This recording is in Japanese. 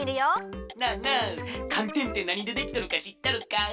なあなあかんてんってなにでできとるかしっとるか？